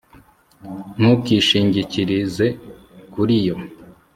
Ntukishingikirize kuri yo